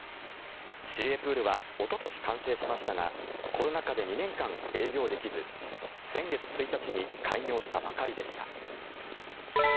市営プールはおととし完成しましたがコロナ禍で２年間営業できず先月１日に開業したばかりでした。